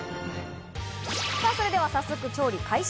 さぁ、それでは早速、調理開始。